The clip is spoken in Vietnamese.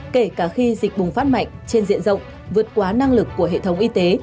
kể cả khi dịch bùng phát mạnh trên diện rộng vượt quá năng lực của hệ thống y tế